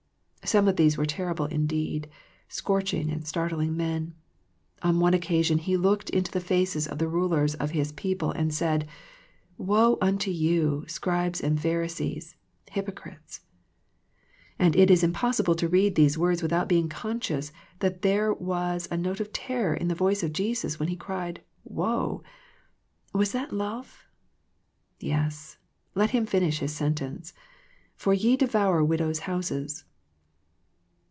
Some of these were terrible indeed, scorch ing and startling men. On one occasion He looked into the faces of the rulers of His people and said, " Woe unto you. Scribes and Pharisees, hypocrites"; and it is impossible to read these words without being conscious that there was a note of terror in the voice of Jesus when He cried "Woe." Was that love? Yes, let Him finish His sentence, "for ye devour widows' houses."